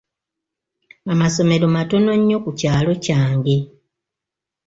Amasomero matono nnyo ku kyalo kyange.